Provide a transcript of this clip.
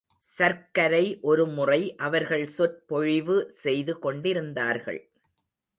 சர்க்கரை ஒரு முறை அவர்கள் சொற்பொழிவு செய்து கொண்டிருந்தார்கள்.